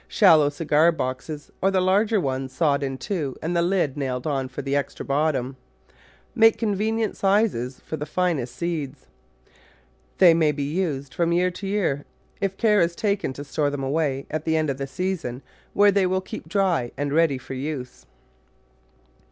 Shallow cigar boxes, or the larger ones sawed in two and the lid nailed on for the extra bottom, make convenient sizes for the finest seeds. They may be used from year to year if care is taken to store them away, at the end of the season, where they will keep dry and ready for use.